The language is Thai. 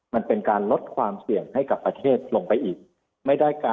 มันเป็นการลดความเสี่ยงให้กับประเทศลงไปอีก